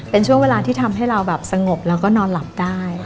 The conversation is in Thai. เป็นช่วงเวลาที่ทำให้เราแบบสงบแล้วก็นอนหลับได้